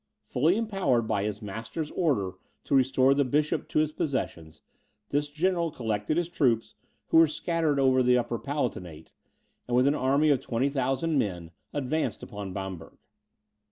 Fully empowered by his master's order to restore the bishop to his possessions, this general collected his troops, who were scattered over the Upper Palatinate, and with an army of 20,000 men advanced upon Bamberg.